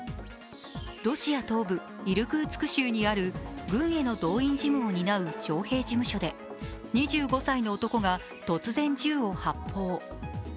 ロシア東部イルクーツク州にある軍への動員事務を担う徴兵事務所で２５歳の男が突然、銃を発砲。